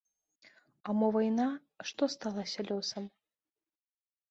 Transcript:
А мо вайна, што сталася лёсам?